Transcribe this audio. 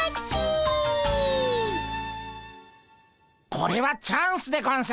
これはチャンスでゴンス。